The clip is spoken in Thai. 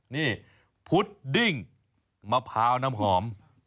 นี่พุดดิ้งมะพร้าวน้ำหอม